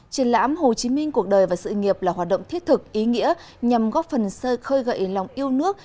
triển lãm hồ chí minh cuộc đời và sự nghiệp là hoạt động thiết thực ý nghĩa nhằm góp phần sơ khơi gậy lòng yêu nước